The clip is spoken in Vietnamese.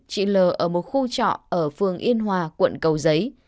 chị l ở một khu trọ ở phường yên hòa quận cầu giấy